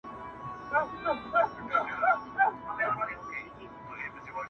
حجره سته طالب یې نسته٫